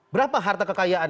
berapa harta kekayaannya